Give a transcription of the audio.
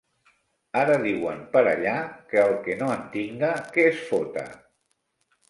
Ara diuen per allà, que el que no en tinga, que es fota.